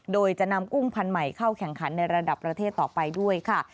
โดยจะนำกุ้งพันธุ์ใหม่เข้าแข่งขันในระดับประเทศต่อไปด้วยค่ะ